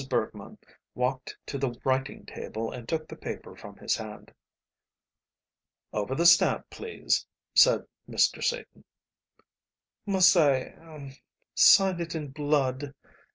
Bergmann walked to the writing table and took the paper from his hand. "Over the stamp, please," said Mr. Satan. "Must I er sign it in blood?"